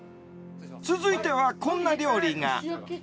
続いてはこんな料理が。